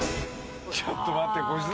ちょっと待って。